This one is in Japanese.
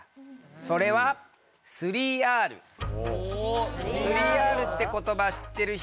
それは３Ｒって言葉知ってる人？